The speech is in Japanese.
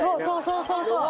そうそうそうそう。